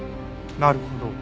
なるほど。